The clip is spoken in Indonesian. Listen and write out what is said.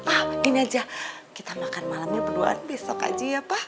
ah ini aja kita makan malamnya berduaan besok aja ya pak